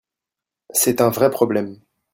C’est un vrai problème.